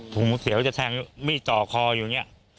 ผมเซียวจะแทงมี่จ่อกคออยู่เนี่ย